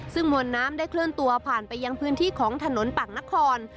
ซึ่งมวลน้ำได้เคลื่อนตัวผ่านไปยังพื้นที่ของถนนปากนคร